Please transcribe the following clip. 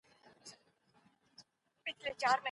ښوونکی د زدهکوونکو وړتیا ته ارزښت ورکوي.